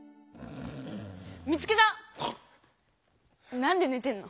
なんでねてるの？